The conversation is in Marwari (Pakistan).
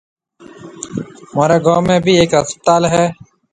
مهوريَ گوم ۾ ڀِي هيَڪ هسپتال هيَ۔